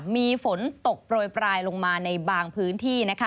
มีฝนตกโปรยปลายลงมาในบางพื้นที่นะคะ